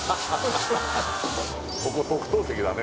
ここ特等席だね